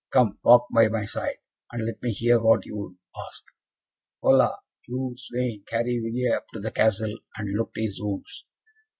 Come, walk by my side, and let me hear what you would ask. Holla, you Sweyn! carry Vige up to the Castle, and look to his wounds.